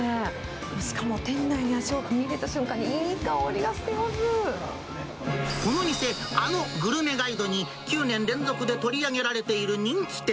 しかも、店内に足を踏み入れた瞬この店、あのグルメガイドに９年連続で取り上げられている人気店。